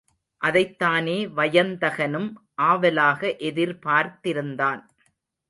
அதைத்தானே வயந்தகனும் ஆவலாக எதிர்பார்த்திருந்தான்.